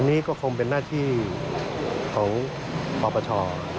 อันนี้ก็คงเป็นหน้าที่ของปปช